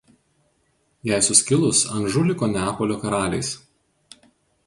Jai suskilus Anžu liko Neapolio karaliais.